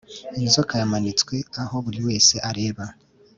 Inzoka yamanitswe aho buri wese arebaho